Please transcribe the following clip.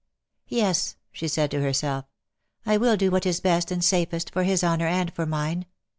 '' Yes/' she said to herself, " I will do what is best and safest for his honour and for mine.'"